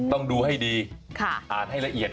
ต้องดูให้ดีอ่านให้ละเอียด